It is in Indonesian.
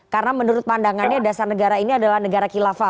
karena menurut pandangannya dasar negara ini adalah negara kilava